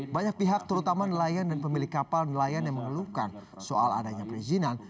banyak pihak terutama nelayan dan pemilik kapal nelayan yang mengeluhkan soal adanya perizinan